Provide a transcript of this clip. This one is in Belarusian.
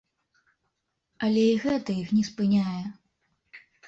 Але і гэта іх не спыняе.